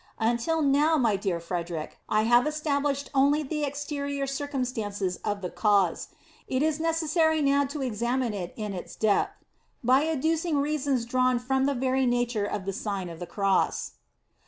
Until now, my dear Frederic, I have estab lished only the exterior circumstances of the cause : it is necessary now to examine it in its depth, by adducing reasons drawn from the very nature of the Sign of the Cross.